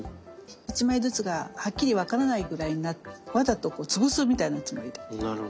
一枚ずつがはっきり分からないぐらいにわざとこう潰すみたいなつもりで。